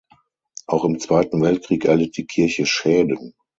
Auch im Zweiten Weltkrieg erlitt die Kirche Schäden.